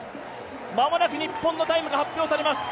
間もなく日本のタイムが発表されます。